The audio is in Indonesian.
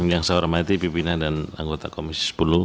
yang saya hormati pimpinan dan anggota komisi sepuluh